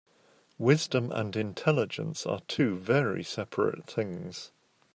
Wisdom and intelligence are two very seperate things.